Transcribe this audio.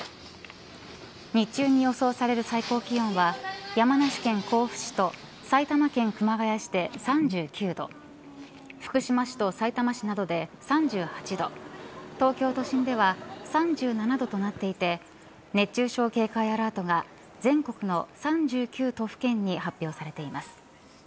日中に予想される最高気温は山梨県甲府市と埼玉県熊谷市で３９度福島市とさいたま市などで３８度東京都心では３７度となっていて熱中症警戒アラートが全国の３９都府県に発表されています。